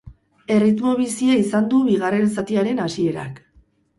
Erritmo bizia izan du bigarren zatiaren hasierak.